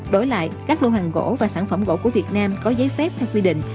đổi lại các lô hàng gỗ và sản phẩm gỗ của việt nam có giấy phép theo quy định